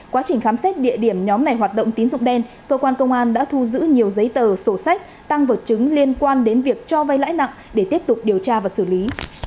quá trình khám xét địa điểm nhóm này hoạt động tín dụng đen cơ quan công an đã thu giữ nhiều giấy tờ sổ sách tăng vật chứng liên quan đến việc cho vay lãi nặng để tiếp tục điều tra và xử lý